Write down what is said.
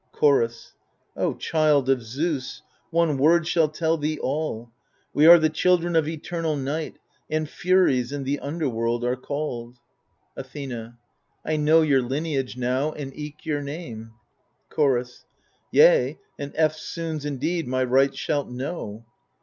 Chorus O child of Zeus, one word shall tell thee all. We are the children of eternal Night, And Furies in the underworld are called. THE FURIES 155 Athena I know your lineage now and eke your name. Chorus Yea, and eftsoons indeed my rights shalt know.